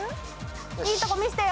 いいとこ見せてよ！